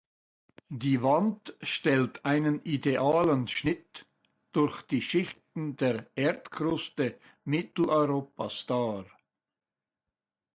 Die Wand stellt einen idealen Schnitt durch die Schichten der Erdkruste Mitteleuropas dar.